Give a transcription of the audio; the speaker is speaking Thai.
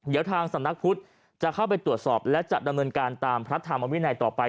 เดี๋ยวทางสำนักพุทธจะเข้าไปตรวจสอบและจะดำเนินการตามพระธรรมวินัยต่อไป